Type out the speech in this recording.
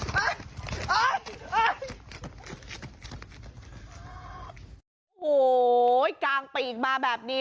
โหกางปลีกมาแบบนี้